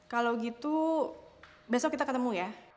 kalau gitu besok kita ketemu ya